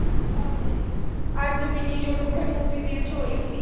আর তুমি নিজ অনুগ্রহে মুক্তি দিয়েছ ইউনুসকে।